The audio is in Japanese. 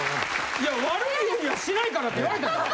いや悪いようにはしないからって言われたんやろ？